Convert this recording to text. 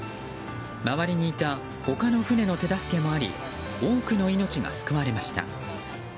周りにいた他の船の手助けもあり多くの命が救われました。